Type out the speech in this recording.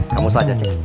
kamu saja ceng